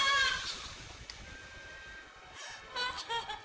umi aku mau ke rumah